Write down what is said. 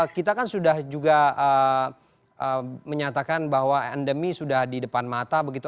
kita kan sudah juga menyatakan bahwa endemi sudah di depan mata begitu